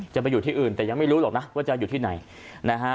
จะไปอยู่ที่อื่นแต่ยังไม่รู้หรอกนะว่าจะอยู่ที่ไหนนะฮะ